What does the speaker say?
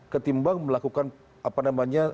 ketimbang melakukan apa namanya